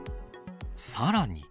さらに。